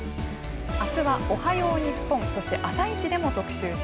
明日は「おはよう日本」そして「あさイチ」でも特集します。